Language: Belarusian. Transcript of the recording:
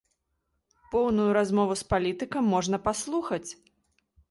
Поўную размову з палітыкам можна паслухаць!